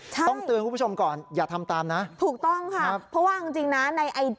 ต้องเตือนคุณผู้ชมก่อนอย่าทำตามนะ